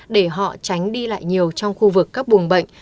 để họ tránh đi lại nhiều trong khu vực cấp bùng bệnh